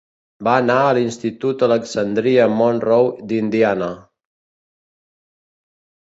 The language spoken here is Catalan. Va anar a l'Institut Alexandria Monroe d'Indiana.